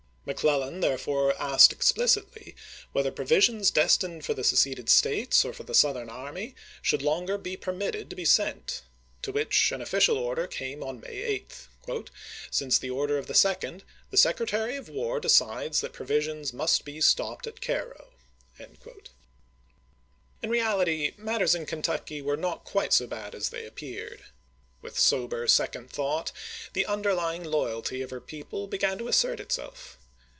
McClellan therefore asked explicitly whether provisions destined for the seceded States or for the Southern army should longer be permitted to be sent, to which an official order came on May 8 :" Since the order of the 2d, the Secretary of War decides that provisions must be stopped at Cairo." In reality matters in Kentucky were not quite so bad as they appeared. With sober second thought, the underlying loyalty of her people began to assert itself.